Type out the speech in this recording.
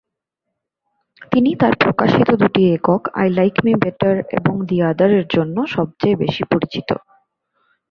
তিনি তার প্রকাশিত দুটি একক "আই লাইক মি বেটার", এবং "দ্য আদার"-এর জন্য সবচেয়ে বেশি পরিচিত।